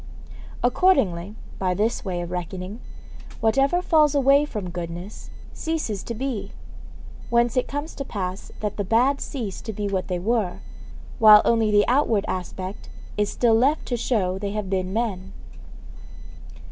Accordingly, by this way of reckoning, whatever falls away from goodness ceases to be; whence it comes to pass that the bad cease to be what they were, while only the outward aspect is still left to show they have been men.